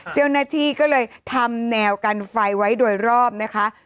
เจ้าหน้าที่ก็เลยทำแนวกันไฟไว้โดยรอบนะคะ